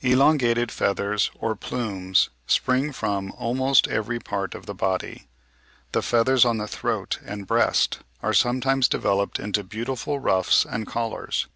Elongated feathers or plumes spring from almost every part of the body. The feathers on the throat and breast are sometimes developed into beautiful ruffs and collars.